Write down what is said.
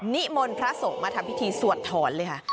นิมนต์พระสงฆ์มาทำพิธีสวดถอนเลยค่ะ